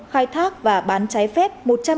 khai thác và bán trái phép